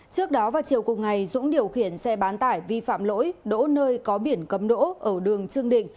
trước đó vào chiều cùng ngày dũng điều khiển xe bán tải vi phạm lỗi đỗ nơi có biển cấm đỗ ở đường trương định